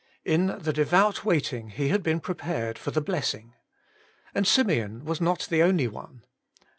In the devout waiting he had been prepared for the blessing. And Simeon was not the only one.